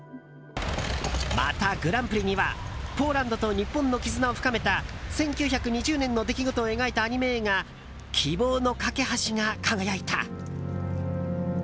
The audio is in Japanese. また、グランプリにはポーランドと日本の絆を深めた１９２０年の出来事を描いたアニメ映画「希望のかけ橋」が輝いた。